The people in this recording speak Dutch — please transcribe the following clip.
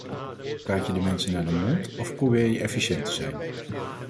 Praat je de mensen naar de mond, of probeer je efficiënt te zijn?